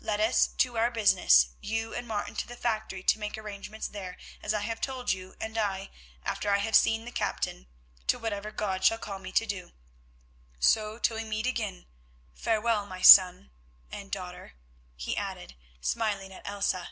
Let us to our business, you and Martin to the factory to make arrangements there as I have told you, and I, after I have seen the captain, to whatever God shall call me to do. So, till we meet again, farewell, my son—and daughter," he added, smiling at Elsa.